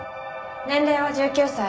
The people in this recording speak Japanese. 年齢は１９歳。